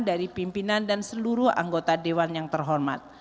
dari pimpinan dan seluruh anggota dewan yang terhormat